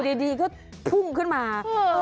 อยู่ดีก็พุ่งขึ้นมา